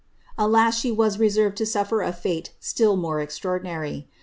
Al:is, the was reserved to sud'er a fus still more extraordinary